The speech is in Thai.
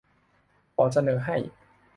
ขอเสนอให้